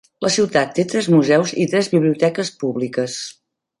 La ciutat té tres museus i tres biblioteques públiques.